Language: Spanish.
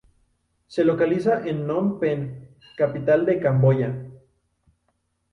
Se Localiza en Nom Pen, capital de Camboya.